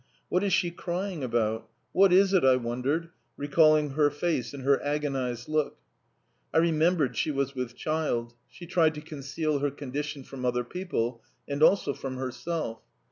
"What is she crying about? What is it?" I wondered, recalling her face and her agonised look. I remembered she was with child. She tried to conceal her condition from other people, and also from herself.